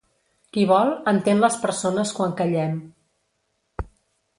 Qui vol, entén les persones quan callem.